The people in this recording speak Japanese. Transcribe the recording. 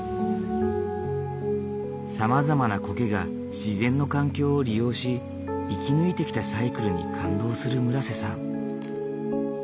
さまざまなコケが自然の環境を利用し生き抜いてきたサイクルに感動する村瀬さん。